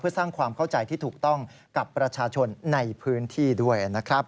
สร้างความเข้าใจที่ถูกต้องกับประชาชนในพื้นที่ด้วยนะครับ